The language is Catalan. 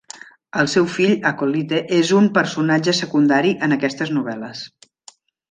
El seu fill, Acolyte, és un personatge secundari en aquestes novel·les.